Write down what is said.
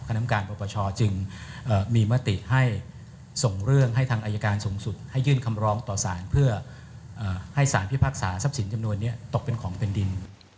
น้ำการปปชจึงมีมติให้ส่งเรื่องให้ทางอายการสูงสุดให้ยื่นคำร้องต่อสารเพื่อให้สารพิพากษาทรัพย์สินจำนวนนี้ตกเป็นของเป็นดิน